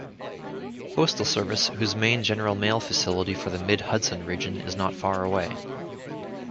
Postal Service, whose main general-mail facility for the mid-Hudson region is not far away.